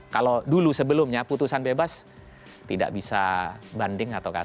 kalau dulu sebelumnya putusan bebas tidak ada larangan setelah putusan mahkamah konstitusi